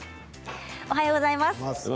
おはようございます。